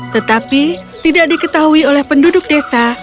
tetapi tidak diketahui oleh penduduk desa